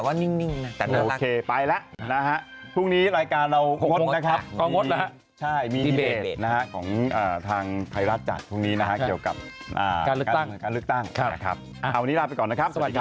วันนี้ลาไปก่อนนะครับสวัสดีค่ะ